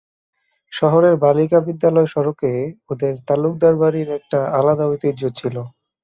শহরের বালিকা বিদ্যালয় সড়কে ওদের তালুকদার বাড়ির একটা আলাদা ঐতিহ্য ছিল।